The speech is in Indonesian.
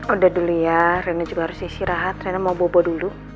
udah dulu ya rena juga harus isi rehat rena mau bobo dulu